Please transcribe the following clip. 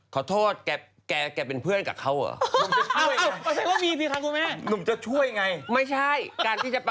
ขอโทษแกเป็นเพื่อนกับเขาเหรอ